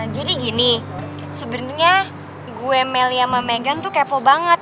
jadi gini sebenernya gue meli sama megan tuh kepo banget